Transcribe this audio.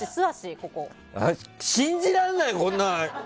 信じられないよ、こんなん！